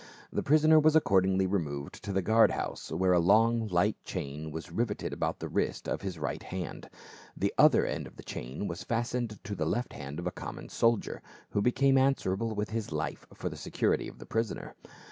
The prisoner was accordingly removed to the guard house, where a long light chain was riveted about the wrist of his right hand ; the other end of the chain was fastened to the left hand of a common soldier, who became answerable with his life for the security of the prisoner.